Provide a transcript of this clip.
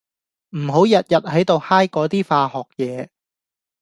唔好日日喺度 high 嗰啲化學嘢